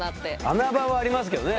穴場はありますけどね。